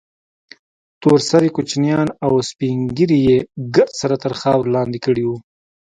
تور سرې کوچنيان او سپين ږيري يې ګرد سره تر خارور لاندې کړي وو.